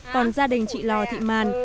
còn gia đình chị lò thị màn